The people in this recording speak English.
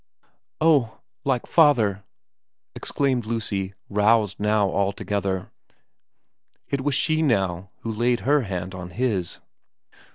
' Oh like father !' exclaimed Lucy, roused now altogether. It was she now who laid her hand on his.